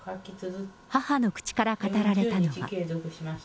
母の口から語られたのは。